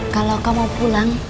kalau kamu mau pulang